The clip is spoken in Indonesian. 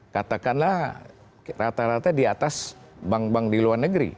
katakanlah rata rata di atas bank bank di luar negeri